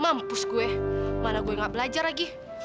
mampus gue mana gue gak belajar lagi